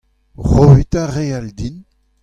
Roit ar re all din.